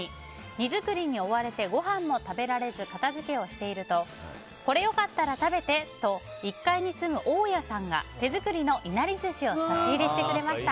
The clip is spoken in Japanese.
荷造りに追われてごはんも食べられず片づけをしているとこれよかったら食べてと１階に住む大家さんが手作りのいなり寿司を差し入れしてくれました。